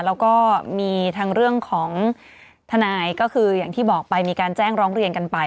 แล้วก็มีทั้งเรื่องของทนายก็คืออย่างที่บอกไปมีการแจ้งร้องเรียนกันไป